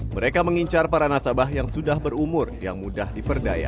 mereka mengincar para nasabah yang sudah berumur yang mudah diperdaya